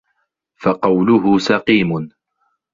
فَقَوْلُهُ سَقِيمٌ